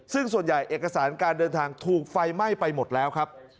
ซึ่งส่วนใหญ่เอกสารการเดินทางถูกไฟไหม้ไปหมดแล้วครับ